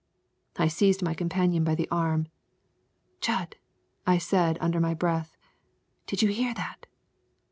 I seized my companion by the arm. "Jud," I said under my breath, "did you hear that?"